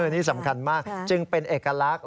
นี่สำคัญมากจึงเป็นเอกลักษณ์